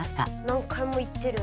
何回も行ってる。